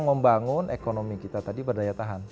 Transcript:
membangun ekonomi kita tadi berdaya tahan